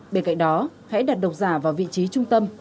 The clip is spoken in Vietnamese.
bên cạnh đó hãy đặt độc giả vào vị trí trung tâm